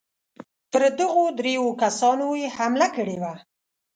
پر دغو درېو کسانو یې حمله کړې وه.